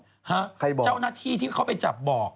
เจ้าหน้าที่ที่เขาไปจับบอก